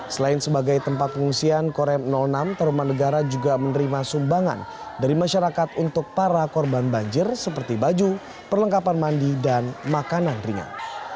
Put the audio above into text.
selain sebagai tempat pengungsian korem enam teruman negara juga menerima sumbangan dari masyarakat untuk para korban banjir seperti baju perlengkapan mandi dan makanan ringan